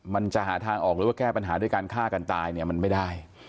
มันจะหาทางออกหรือแก้ปัญหาค่าการตายมันไม่ได้